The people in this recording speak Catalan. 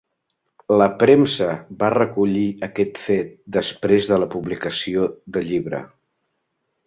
La premsa va recollir aquest fet després de la publicació de llibre.